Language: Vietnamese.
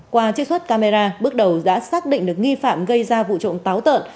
qua chiếc xuất camera bước đầu đã xác định được nghi phạm gây ra vụ trộn táo tợn